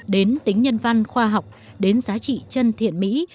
đến tính nhân văn khoa học đến giá trị chân thiện mỹ